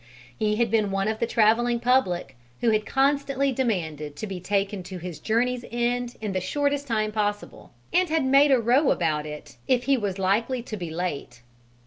He had been one of the travelling public who had constantly demanded to be taken to his journey's end in the shortest possible time, and had "made a row" about it if he was likely to be late.